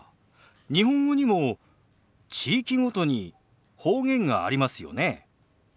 日本語にも地域ごとに方言がありますよね。